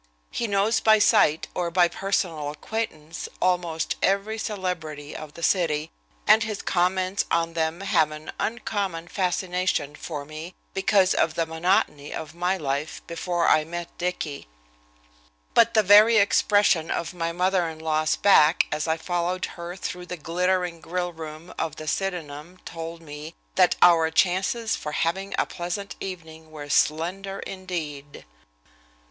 He knows by sight or by personal acquaintance almost every celebrity of the city, and his comments on them have an uncommon fascination for me because of the monotony of my life before I met Dicky. But the very expression of my mother in law's back as I followed her through the glittering grill room of the Sydenham told me that our chances for having a pleasant evening were slender indeed.